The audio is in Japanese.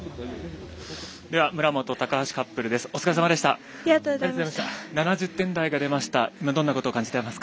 村元、高橋カップルです。